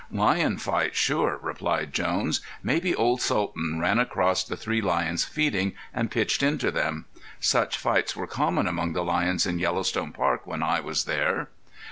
"Lion fight sure," replied Jones. "Maybe old Sultan ran across the three lions feeding, and pitched into them. Such fights were common among the lions in Yellowstone Park when I was there."